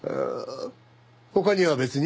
他には別に。